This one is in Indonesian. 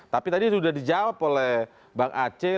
tapi tadi sudah dijawab oleh bang aceh